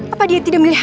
apa dia tidak berhenti